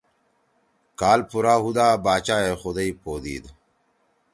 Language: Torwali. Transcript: کال پورا ہودا باچائے خدئی پو دیِد۔